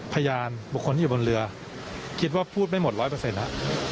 พยานบุคคลที่อยู่บนเรือคิดว่าพูดไม่หมดร้อยเปอร์เซ็นต์